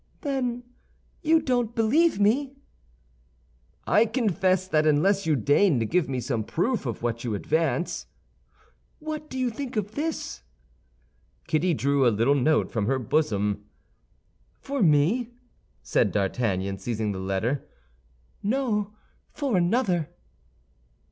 "Then you don't believe me?" "I confess that unless you deign to give me some proof of what you advance—" "What do you think of this?" Kitty drew a little note from her bosom. "For me?" said D'Artagnan, seizing the letter. "No; for another."